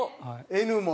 「Ｎ」も。